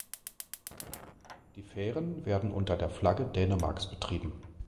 Die Fähren werden unter der Flagge Dänemarks betrieben.